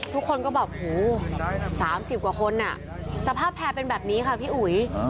ทุกคนก็แบบ๓๐กว่าคนสภาพแพร่เป็นแบบนี้ค่ะพี่อุ๋ย